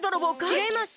ちがいます！